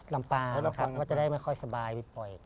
ลำปาวครับว่าจะได้ไม่ค่อยสบายวิบป่อย